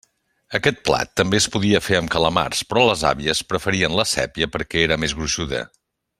Aquest plat també es podia fer amb calamars, però les àvies preferien la sépia perquè era més gruixuda.